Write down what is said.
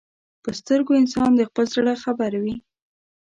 په سترګو انسان د خپل زړه خبر وي